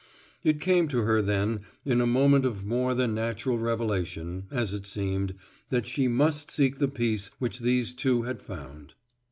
It came to her then in a moment of more than natural revelation, as it seemed, that she must seek the peace which these two had found.